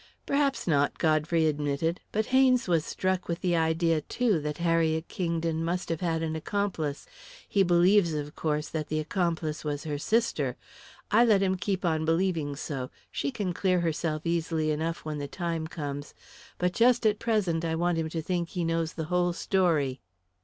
"Perhaps not," Godfrey admitted; "but Haynes was struck with the idea, too, that Harriet Kingdon must have had an accomplice. He believes, of course, that the accomplice was her sister. I let him keep on believing so she can clear herself easily enough when the time comes; but just at present I want him to think he knows the whole story."